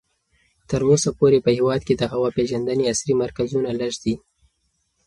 تر اوسه پورې په هېواد کې د هوا پېژندنې عصري مرکزونه لږ دي.